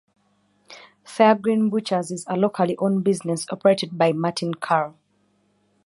Fairgreen butchers is a locally owned business operated by Martin Carroll.